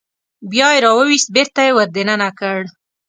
بیا یې راوویست بېرته یې ور دننه کړ.